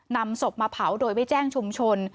นำศพมาเผาโดยไม่แจ้งชุมชน